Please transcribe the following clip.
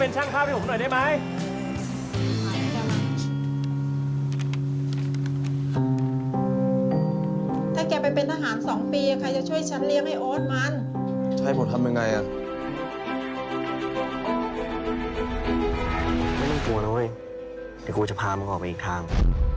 ไม่ต้องกลัวนะเฮ้ยเดี๋ยวกูจะพามันออกไปอีกทาง